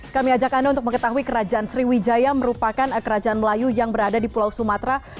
kami ajak anda untuk mengetahui kerajaan sriwijaya merupakan kerajaan melayu yang berada di pulau sumatera